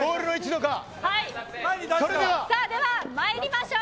ではまいりましょう。